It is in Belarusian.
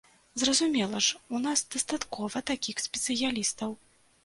Зразумела ж, у нас дастаткова такіх спецыялістаў.